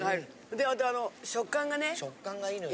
であとあの食感がね。食感が良いのよ。